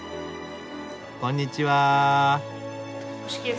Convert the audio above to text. こんにちは。